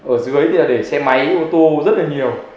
ở dưới thì để xe máy ô tô rất là nhiều